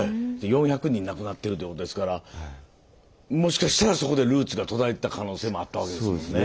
で４００人亡くなってるってことですからもしかしたらそこでルーツが途絶えてた可能性もあったわけですよね。